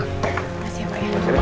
terima kasih pak